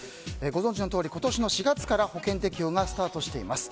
ご存じのとおり今年４月から保険適用がスタートしています。